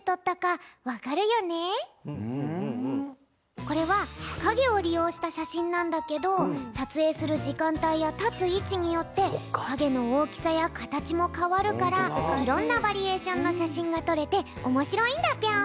これはかげをりようしたしゃしんなんだけどさつえいするじかんたいやたついちによってかげのおおきさやかたちもかわるからいろんなバリエーションのしゃしんがとれておもしろいんだぴょん！